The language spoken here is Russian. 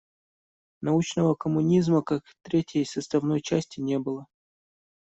Научного коммунизма, как третьей составной части не было.